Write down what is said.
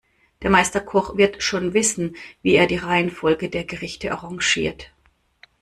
Der Meisterkoch wird schon wissen, wie er die Reihenfolge der Gerichte arrangiert.